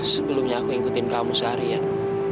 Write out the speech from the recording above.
sebelumnya aku ikutin kamu seharian